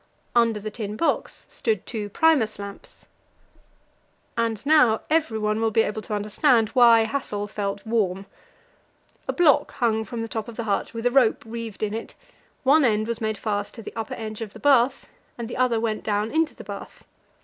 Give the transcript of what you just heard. Under the tin box stood two Primus lamps, and now everyone will be able to understand why Hassel felt warm. A block hung from the top of the hut, with a rope reeved in it; one end was made fast to the upper edge of the bath, and the other went down into the bath.